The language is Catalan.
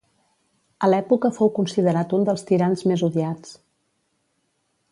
A l'època fou considerat un dels tirans més odiats.